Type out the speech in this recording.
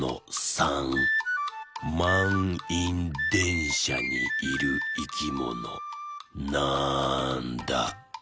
まんいんでんしゃにいるいきものなんだ？